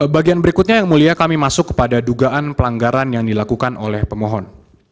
bagian berikutnya yang mulia kami masuk kepada dugaan pelanggaran yang dilakukan oleh pemohon